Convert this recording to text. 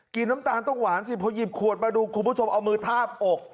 น้ำตาลต้องหวานสิพอหยิบขวดมาดูคุณผู้ชมเอามือทาบอก